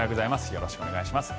よろしくお願いします。